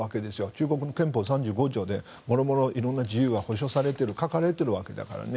中国憲法３５条で諸々、色んな自由が保障されていると書かれているわけだからね。